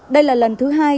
đây là lần thứ hai